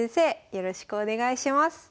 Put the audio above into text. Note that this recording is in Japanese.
よろしくお願いします。